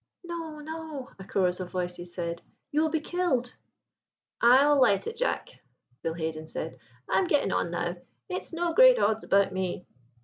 "No, no," a chorus of voices said; "you will be killed." "I will light it, Jack," Bill Haden said; "I am getting on now, it's no great odds about me."